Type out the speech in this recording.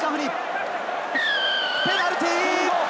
ペナルティー！